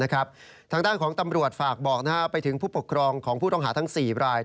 ทางด้านของตำรวจฝากบอกไปถึงผู้ปกครองของผู้ต้องหาทั้ง๔ราย